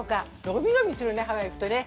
のびのびするね、ハワイ行くとね。